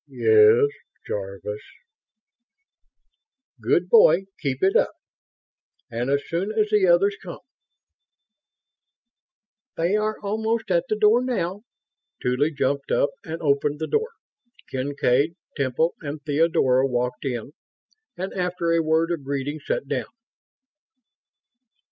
"Yes ... Jarvis...." "Good boy! Keep it up! And as soon as the others come ..." "They are almost at the door now." Tuly jumped up and opened the door. Kincaid, Temple and Theodora walked in and, after a word of greeting, sat down.